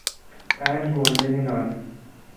پنج گرده نان